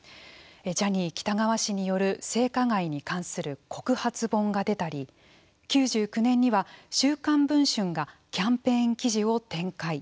ジャニー喜多川氏による性加害に関する告発本が出たり９９年には、週刊文春がキャンペーン記事を展開。